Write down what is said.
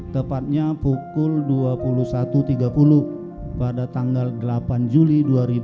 tepatnya pukul dua puluh satu tiga puluh pada tanggal delapan juli dua ribu dua puluh